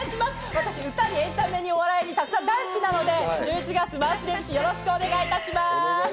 私、歌にエンタメにお笑いにたくさん大好きなので１１月マンスリーＭＣ、よろしくお願いいたします。